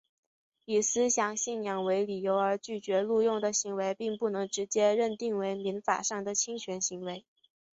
以思想信仰为理由而拒绝录用的行为并不能直接认定为民法上的侵权行为。